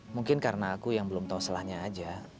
mungkin karena aku yang belum tau selahnya aja